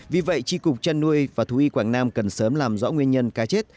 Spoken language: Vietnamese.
vì vậy tri cục chăn nuôi và thú y quảng nam cần sớm làm rõ nguyên nhân cá chết